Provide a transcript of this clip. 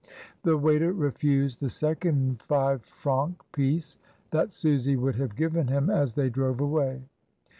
The waiter refused the second five firanc piece that Susy would have given him as they drove away.